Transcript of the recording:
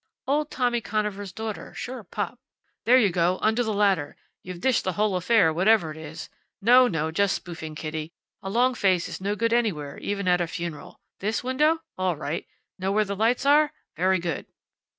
Old Tommy Conover's daughter, sure pop!... There you go, under the ladder! You've dished the whole affair, whatever it is.... No, no! Just spoofing, Kitty. A long face is no good anywhere, even at a funeral.... This window? All right. Know where the lights are? Very good."